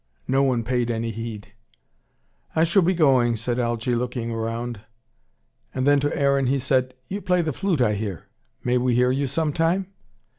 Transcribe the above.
No one paid any heed. "I shall be going," said Algy, looking round. Then to Aaron he said, "You play the flute, I hear. May we hear you some time?"